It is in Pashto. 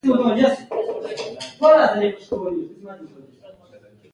جنسي مسایل زموږ په ټولنه کې تابو ګڼل کېږي.